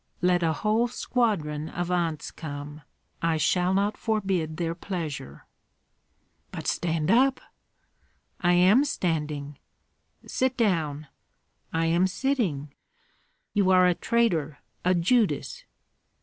"Let a whole squadron of aunts come; I shall not forbid their pleasure." "But stand up!" "I am standing." "Sit down!" "I am sitting." "You are a traitor, a Judas!"